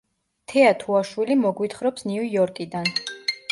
თეა თუაშვილი მოგვითხრობს ნიუ იორკიდან.